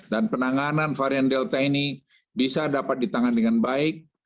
dan penanganan varian delta ini bisa dapat ditangan dengan baik